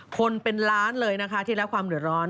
คนเป็นล้านเลยนะคะที่รับความเดือดร้อน